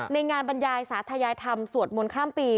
งานบรรยายสาธยายธรรมสวดมนต์ข้ามปี